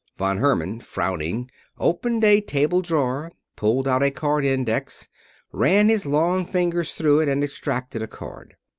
Von Herman, frowning, opened a table drawer, pulled out a card index, ran his long fingers through it and extracted a card.